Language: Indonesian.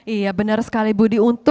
iya benar sekali budi